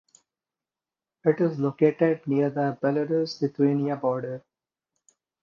It is located near the Belarus–Lithuania border.